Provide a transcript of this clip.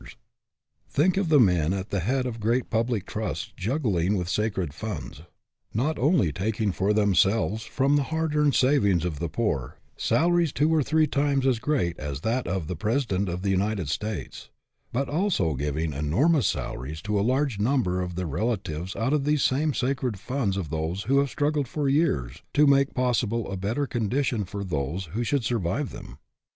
SUCCESS WITH A FLAW 227 Think of the men at the head of great public trusts juggling with sacred funds, not only taking for themselves, from the hard earned savings of the poor, salaries two or three times as great as that of the President of the United States, but also giving enor mous salaries to a large number of their rela tives out of these same sacred funds of those who have struggled for years to make pos sible a better condition for those who should survive them